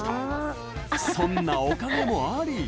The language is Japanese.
そんなおかげもあり。